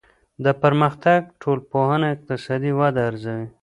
د پرمختګ ټولنپوهنه اقتصادي وده ارزوي.